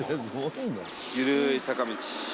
緩い坂道。